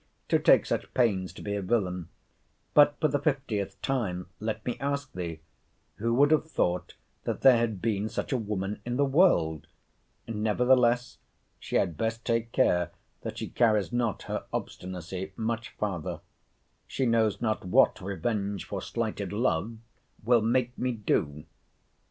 To take such pains to be a villain!—But (for the fiftieth time) let me ask thee, Who would have thought that there had been such a woman in the world?—Nevertheless, she had best take care that she carries not her obstinacy much farther. She knows not what revenge for slighted love will make me do.